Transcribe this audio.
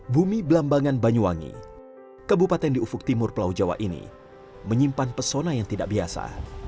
bumi belambangan banyuwangi kabupaten di ufuk timur pulau jawa ini menyimpan pesona yang tidak biasa